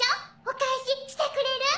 お返ししてくれる？